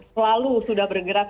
selalu sudah bergerak